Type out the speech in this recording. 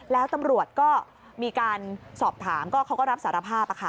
แล้วตำรวจก็มีการสอบถามก็เขาก็รับสารภาพ